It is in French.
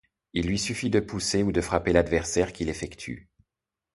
Il lui suffit de pousser ou de frapper l'adversaire qui l'effectue.